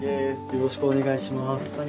よろしくお願いします。